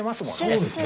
そうですね。